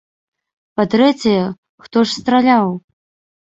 Па-трэцяе, хто ж страляў?